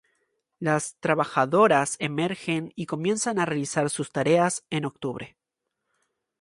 Las trabajadoras emergen y comienzan a realizar sus tareas en octubre.